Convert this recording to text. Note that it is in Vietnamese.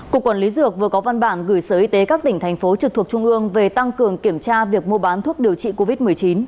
cục quản lý dược vừa có văn bản gửi sở y tế các tỉnh thành phố trực thuộc trung ương về tăng cường kiểm tra việc mua bán thuốc điều trị covid một mươi chín